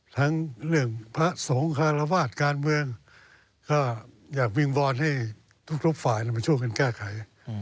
ทั้งเรื่องพระสงฆ์คารวาสการเมืองก็อยากวิงวอนให้ทุกฝ่ายมาช่วยกันแก้ไข